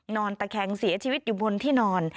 ตะแคงเสียชีวิตอยู่บนที่นอน